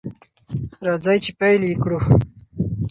راځئ چې پیل یې کړو.